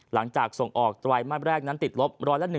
หลังจากส่งออกไตรมาสแรกนั้นติดลบ๑๐๑